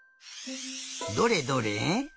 どれどれ。